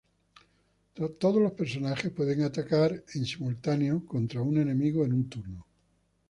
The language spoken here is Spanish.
Todos los personajes pueden atacar en simultáneo contra un enemigo en un turno.